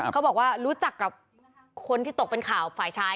เขาบอกว่ารู้จักกับคนที่ตกเป็นข่าวฝ่ายชาย